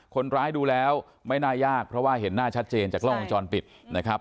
คนร้ายดูแล้วไม่น่ายากเพราะว่าเห็นหน้าชัดเจนจากกล้องวงจรปิดนะครับ